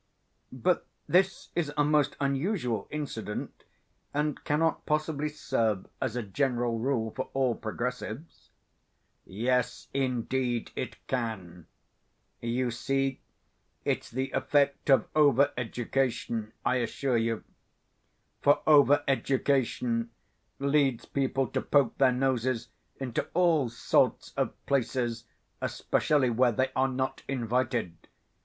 "But this is a most unusual incident and cannot possibly serve as a general rule for all progressives." "Yes, indeed it can. You see, it's the effect of over education, I assure you. For over education leads people to poke their noses into all sorts of places, especially where they are not invited.